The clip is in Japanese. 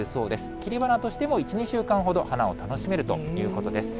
切り花としても１、２週間ほど花を楽しめるということです。